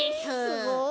すごい。